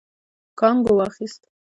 کانګو واخيست.